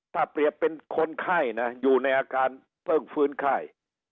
ถ้าเปรียบเป็นคนไข้นะอยู่ในอาการเพิ่งฟื้นไข้